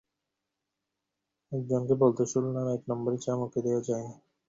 এক জনকে বলতে শুনলাম-এক নম্বরী চা মুখে দেওয়া যায় না।